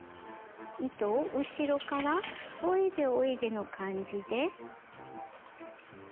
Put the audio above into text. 糸を後ろからおいでおいでの感じで引き出します。